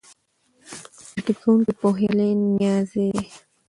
ترتیب کوونکی پوهیالی نیازی دی.